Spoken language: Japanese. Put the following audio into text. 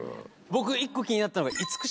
僕１個気になったのが。